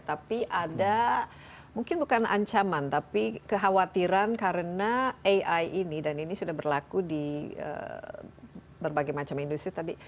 tapi ada mungkin bukan ancaman tapi kekhawatiran karena ai ini dan ini sudah berlaku di berbagai macam industri tadi